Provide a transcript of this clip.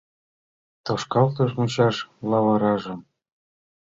Тошкалтыш мучаш лавыражым